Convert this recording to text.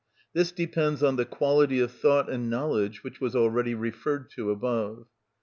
This depends on the quality of thought and knowledge, which was already referred to above.